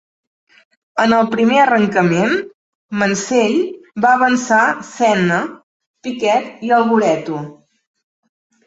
En el primer arrencament, Mansell va avançar Senna, Piquet i Alboreto.